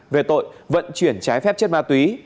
về tội vận chuyển trái phép chất ma túy